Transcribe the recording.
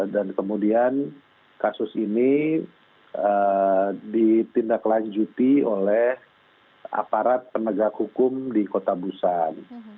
dan kemudian kasus ini ditindaklanjuti oleh aparat penegak hukum di kota busan